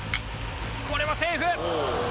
これはセーフ！